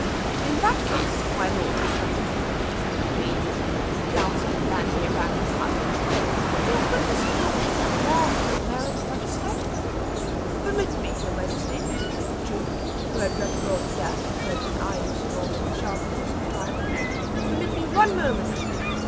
"In that case, my lords and gentlemen," said the queen, glancing blandly round the apartment, "he has witnessed nothing, and, therefore, merits but slight punishment." "Permit me, your majesty," said the duke, who had read the roll of death, and who had been eyeing Sir Norman sharply for some time, "permit me one moment!